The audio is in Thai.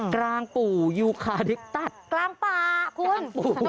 กลางปู่ยูคาริปตัศน์